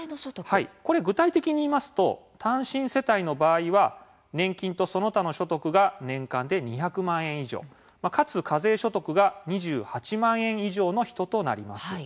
これ具体的にいいますと単身世帯の場合は年金とその他の所得が年間で２００万円以上かつ課税所得が２８万円以上の人となります。